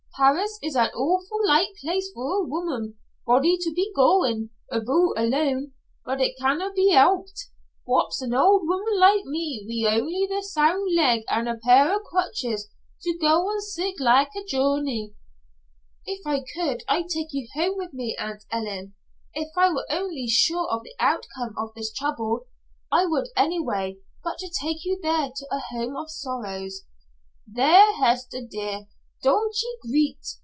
Paris is an' awfu' like place for a woman body to be goin' aboot alone. But it canna' be helpit. What's an old woman like me wi' only one sound leg and a pair o' crutches, to go on sic' like a journey?" "If I could, I'd take you home with me, Aunt Ellen; if I were only sure of the outcome of this trouble, I would anyway but to take you there to a home of sorrow " "There, Hester, dear. Don't ye greet.